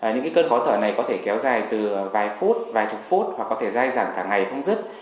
những cơn khó thở này có thể kéo dài từ vài phút vài chục phút hoặc có thể dai dẳng cả ngày không dứt